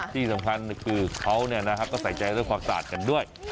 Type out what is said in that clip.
ที่สำคัญคือเขาก็ใส่ใจเรื่องความสะอาดกันด้วย